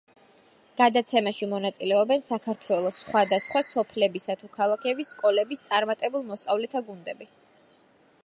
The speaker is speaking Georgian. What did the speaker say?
გადაცემაში მონაწილეობენ საქართველოს სხვადასხვა სოფლებისა თუ ქალაქების სკოლების წარმატებულ მოსწავლეთა გუნდები.